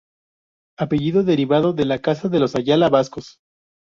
Apellido derivado de la casa de los Ayala vascos.